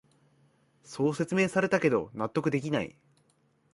そう説明されたけど納得できない